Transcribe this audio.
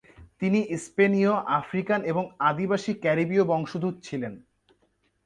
তিনি স্পেনীয়, আফ্রিকান এবং আদিবাসী ক্যারিবীয় বংশোদ্ভূত ছিলেন।